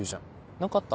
何かあった？